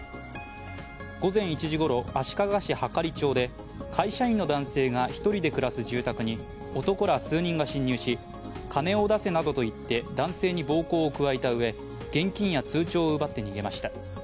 午前１時ごろ、足利市羽刈町で会社員の男性が１人で暮らす男性に男ら数人が侵入し金を出せなどと言って男性に暴行を加えたうえ、現金や通帳を奪って逃げました。